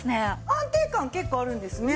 安定感結構あるんですね。